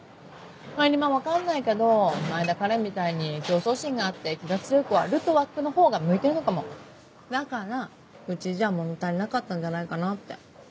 それにまぁ分かんないけど前田花恋みたいに競争心があって気が強い子はルトワックのほうが向いてるのかもだからうちじゃ物足りなかったんじゃないかなって。